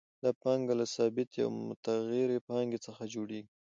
دا پانګه له ثابتې او متغیرې پانګې څخه جوړېږي